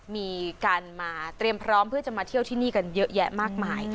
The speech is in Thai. มีการมาเตรียมพร้อมเพื่อจะมาเที่ยวที่นี่กันเยอะแยะมากมาย